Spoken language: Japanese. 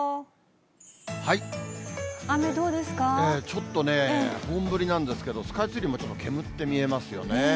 ちょっとね、本降りなんですけど、スカイツリーもちょっと煙って見えますよね。